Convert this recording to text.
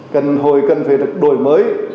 cần hồi cần phải được đổi mới